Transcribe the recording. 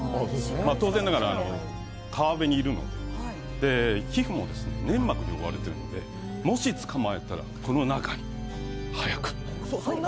当然ながら川辺にいるので、皮膚も粘膜に覆われているので、もし捕まえたらこの中に早く入れる。